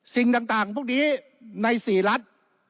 สิ่งต่างพวกนี้ใน๔รัฐ